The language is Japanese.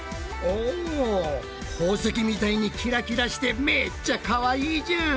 お宝石みたいにキラキラしてめっちゃかわいいじゃん！